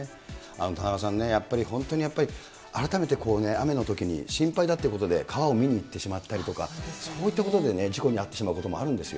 田中さんね、やっぱり本当に、改めてこうね、雨のときに心配だってことで、川を見に行ってしまったりとか、そういったことで事故に遭ってしまうこともあるんですよ。